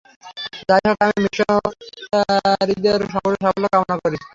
যাই হোক, আমি মিশনরীদের সম্পূর্ণ সাফল্য কামনা করি।